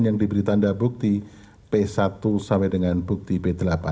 yang diberi tanda bukti p satu sampai dengan bukti b delapan